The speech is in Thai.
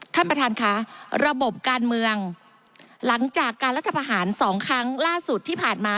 ท่านประธานค่ะระบบการเมืองหลังจากการรัฐประหารสองครั้งล่าสุดที่ผ่านมา